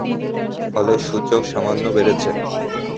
ফলে সূচক সামান্য বেড়েছে।